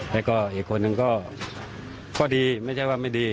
แล้วก็อีกคนนึงก็ข้อดีไม่ใช่ว่าไม่ดี